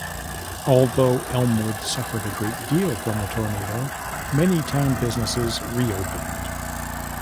Although Elmwood suffered a great deal from the tornado, many town businesses re-opened.